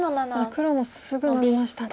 黒もすぐノビましたね。